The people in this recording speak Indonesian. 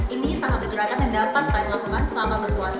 ini salah satu gerakan yang dapat kalian lakukan selama berpuasa